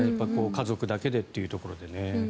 家族だけでというところでね。